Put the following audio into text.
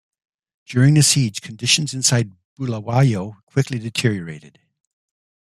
During the siege, conditions inside Bulawayo quickly deteriorated.